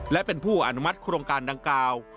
และเป็นผู้อนุมัติโครงการดังกล่าว